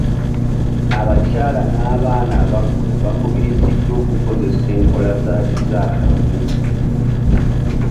Abakyala n'abaana abakula bakubiriziddwa okukozesa enkola za kizaalaggumba.